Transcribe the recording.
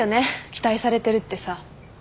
期待されてるってさ。